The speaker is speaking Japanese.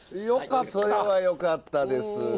それはよかったです。